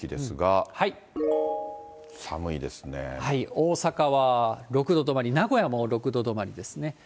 大阪は６度止まり、名古屋も６度止まりですね。